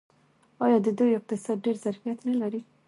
آیا د دوی اقتصاد ډیر ظرفیت نلري؟